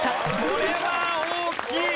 これは大きい！